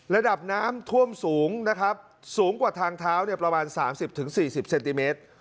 ระดับน้ำท่วมสูงนะครับสูงกว่าทางเท้าประมาณ๓๐๔๐เซนติเมตร